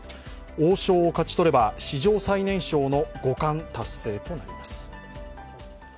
王将を勝ち取れば史上最年少の五冠達成となります。